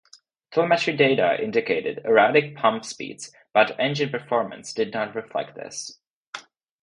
Telemetry data indicated erratic pump speeds, but engine performance did not reflect this.